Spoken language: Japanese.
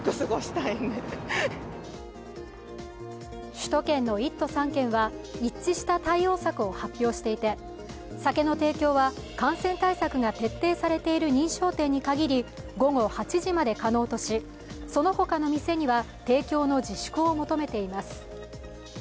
首都圏の１都３県は一致した対応策を発表していて酒の提供は、感染対策が徹底されている認証店に限り午後８時まで可能とし、その他の店には提供の自粛を求めています。